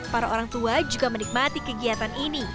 para orang tua juga menikmati kegiatan ini